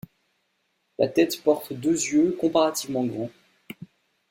La tête porte deux yeux comparativement grands.